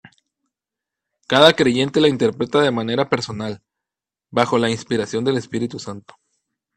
Cada creyente la interpreta de manera personal, bajo la inspiración del Espíritu Santo.